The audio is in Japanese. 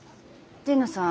神野さん